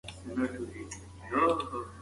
کتابونه او ليکنې هر ځای لوستل کېدای شي.